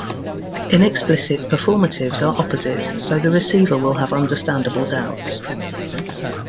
Inexplicit performatives are opposite, so the receiver will have understandable doubts.